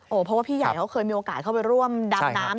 เพราะว่าพี่ใหญ่เขาเคยมีโอกาสเข้าไปร่วมดำน้ำ